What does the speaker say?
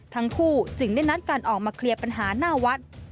ทั้งคู่จึงได้นัดกันออกมาเคลียร์ปัญหาหน้าวัด